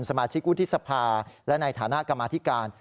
สมาชิกวุฒิสภาและในฐานะกรรมาธิการ